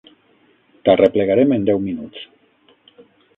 T'arreplegarem en deu minuts.